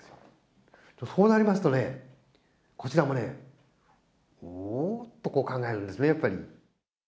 そうなりますとね、こちらもね、おーっと考えるんですね、やっぱり。